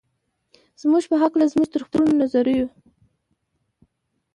زموږ په هکله زموږ تر خپلو نظریو.